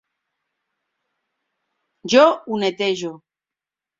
Jo ho netejo.